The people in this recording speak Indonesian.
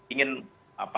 ingin menekan rusia